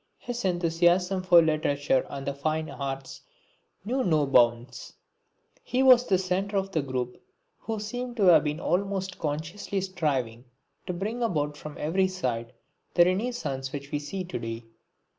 His enthusiasm for literature and the fine arts knew no bounds. He was the centre of the group who seem to have been almost consciously striving to bring about from every side the renascence which we see to day.